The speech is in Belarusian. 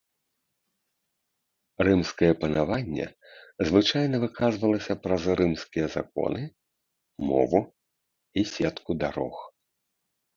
Рымскае панаванне звычайна выказвалася праз рымскія законы, мову і сетку дарог.